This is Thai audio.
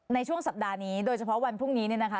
ในช่วงสัปดาห์นี้โดยเฉพาะวันพรุ่งนี้เนี่ยนะคะ